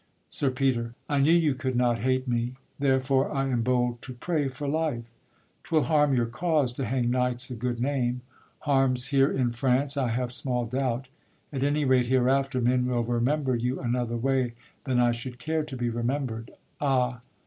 SIR PETER. I knew you could not hate me, therefore I Am bold to pray for life; 'twill harm your cause To hang knights of good name, harms here in France I have small doubt, at any rate hereafter Men will remember you another way Than I should care to be remember'd, ah!